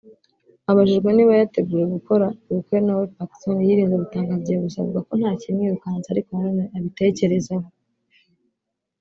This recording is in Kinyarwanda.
abajijwe niba yiteguye gukora ubukwe nawe Pacson yirinze gutangaza igihe gusa avuga ko nta kimwirukansa ariko nanone abitekerezaho